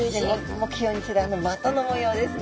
目標にするあの的の模様ですね。